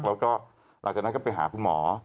แล้วก็หลังจากนั้นก็ไปหาคุณหมอ